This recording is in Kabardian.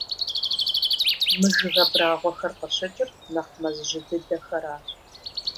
Мы жыг абрагъуэхэр къыщыкӀыр нэхъ мэз жьы дыдэхэращ.